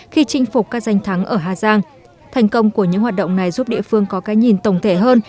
khi chinh phục các danh thắng ở hà giang thành công của những hoạt động này giúp địa phương có cái nhìn tổng thể hơn